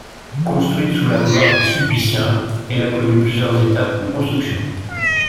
Construite sous la gloire des sulpiciens, elle a connu plusieurs étapes de construction.